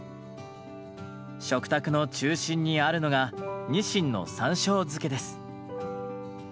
食卓の中心にあるのが「にしんの山しょう漬け」です。